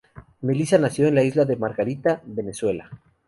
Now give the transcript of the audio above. Melissa nació en la Isla de Margarita, Venezuela.